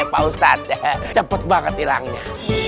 eh pak ustadz cepet banget hilangnya